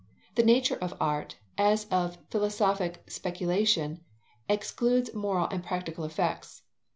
The nature of art, as of philosophic speculation, excludes moral and practical effects.